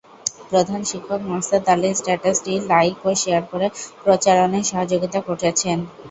প্রধান শিক্ষক মকছেদ আলী স্ট্যাটাসটি লাইক ও শেয়ার করে প্রচারণায় সহযোগিতা করেছেন।